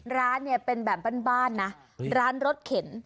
ร้านเป็นแบบบ้านนะร้านรสเข็น